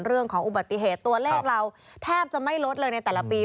เรื่องของอุบัติเหตุตัวเลขเราแทบจะไม่ลดเลยในแต่ละปี